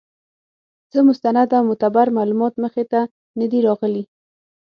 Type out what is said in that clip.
څۀ مستند او معتبر معلومات مخې ته نۀ دي راغلي